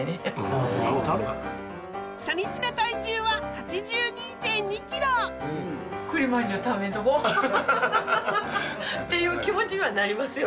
初日の体重は８２．２キロ！っていう気持ちにはなりますよ。